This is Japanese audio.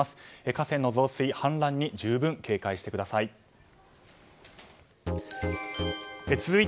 河川の増水氾濫に十分注意してください。